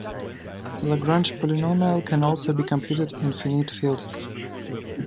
The Lagrange polynomial can also be computed in finite fields.